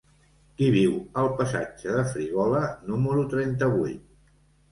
Qui viu al passatge de Frígola número trenta-vuit?